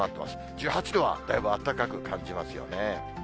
１８度はだいぶあったかく感じますよね。